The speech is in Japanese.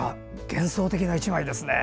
幻想的な１枚ですね。